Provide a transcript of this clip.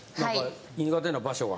苦手な場所が。